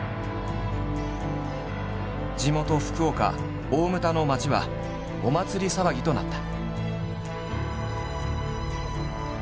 地元福岡・大牟田の町はお祭り騒ぎとなった。